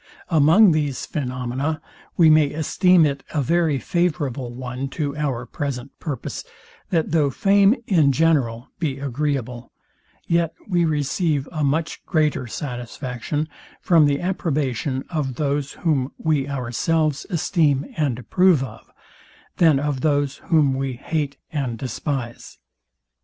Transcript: Among these phaenomena we may esteem it a very favourable one to our present purposes that though fame in general be agreeable, yet we receive a much greater satisfaction from the approbation of those, whom we ourselves esteem and approve of, than of those, whom we hate and despise.